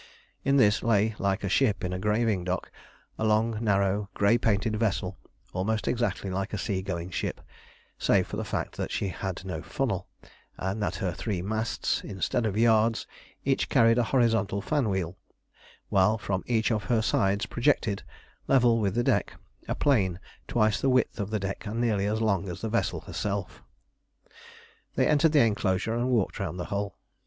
In this lay, like a ship in a graving dock, a long, narrow, grey painted vessel almost exactly like a sea going ship, save for the fact that she had no funnel, and that her three masts, instead of yards, each carried a horizontal fan wheel, while from each of her sides projected, level with the deck, a plane twice the width of the deck and nearly as long as the vessel herself. They entered the enclosure and walked round the hull.